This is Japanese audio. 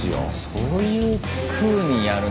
そういうふうにやる。